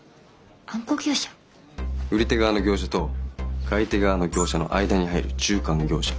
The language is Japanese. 売り手側の業者と買い手側の業者の間に入る中間業者。